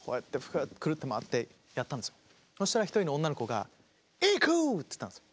そしたら一人の女の子が「ＩＫＵ！」って言ったんですよ。